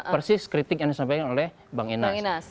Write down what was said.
persis kritik yang disampaikan oleh bang inas